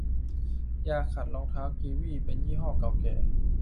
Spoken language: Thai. ยาขัดรองเท้ากีวีเป็นยี่ห้อเก่าแก่